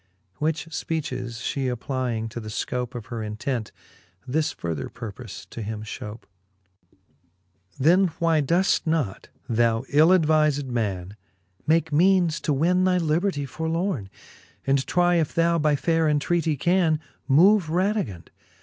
Which {peaches Ihe applying to the fcope Of her intent, this further purpole to him fhope. XL. Then why doeft not, thou ill advized man, Make meanes to win thy libertie forlorne, And try if thou, by faire entreatie, can Move Radivund